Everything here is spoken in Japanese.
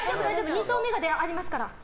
２刀目がありますから！